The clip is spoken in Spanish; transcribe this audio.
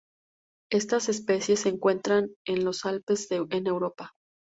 Estas especies se encuentran en los Alpes en Europa.